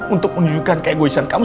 untuk menunjukkan keegoisan kamu